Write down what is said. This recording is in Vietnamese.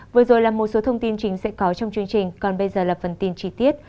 vừa rồi là một số thông tin chính sẽ có trong chương trình còn bây giờ là phần tin chi tiết